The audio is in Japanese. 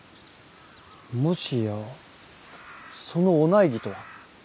もしやそのお内儀とは。